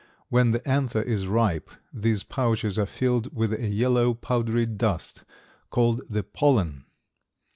When the anther is ripe these pouches are filled with a yellow, powdery dust called the pollen.